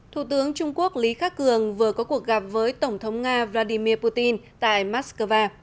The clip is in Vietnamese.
thủ tướng trung quốc lý khắc cường vừa có cuộc gặp với tổng thống nga vladimir putin tại moscow